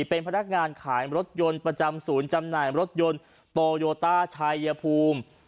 เป็นพนักงานขายรถยนต์ประจำศูนย์จำหน่ายรถยนต์โตโยต้าชายภูมิ